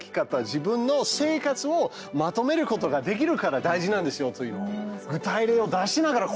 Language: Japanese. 自分の生活をまとめることができるから大事なんですよというのを、具体例を出しながら。